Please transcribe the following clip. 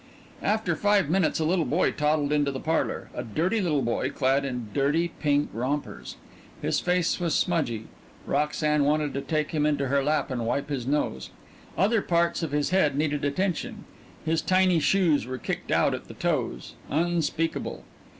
After five minutes a little boy toddled into the parlor a dirty little boy clad in dirty pink rompers. His face was smudgy Roxanne wanted to take him into her lap and wipe his nose; other parts in the vicinity of his head needed attention, his tiny shoes were kicked out at the toes. Unspeakable!